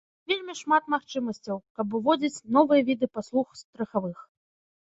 Тут вельмі шмат магчымасцяў, каб уводзіць новыя віды паслуг страхавых.